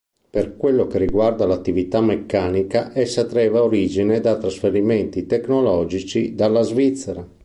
Per quello che riguarda l'attività meccanica essa traeva origine da trasferimenti tecnologici dalla Svizzera.